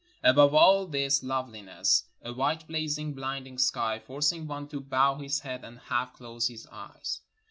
Above all this loveHness a white, blazing, blinding sky, forcing one to bow his head and half close his eyes.